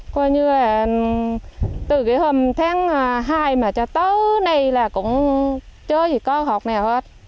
coi như là từ cái hầm tháng hai mà cho tới nay là cũng chưa gì có hộp nào hết